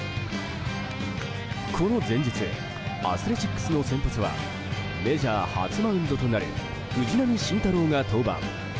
この前日アスレチックスの先発はメジャー初マウンドとなる藤浪晋太郎が登板。